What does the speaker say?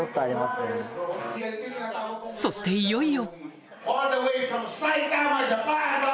そしていよいよ！